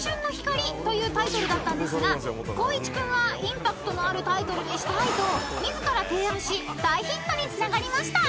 ［というタイトルだったんですが光一君はインパクトのあるタイトルにしたいと自ら提案し大ヒットにつながりました］